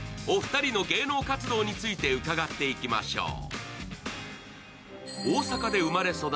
お二人の芸能活動について伺っていきましょう。